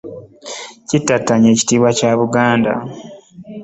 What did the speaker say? Kittattanye ekitiibwa kya Buganda.